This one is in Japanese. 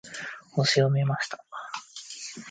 星を見ました。